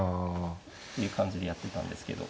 っていう感じでやってたんですけど。